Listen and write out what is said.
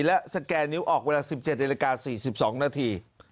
และสแกนนิ้วออกเวลา๑๗นาฬิกา๔๒นาที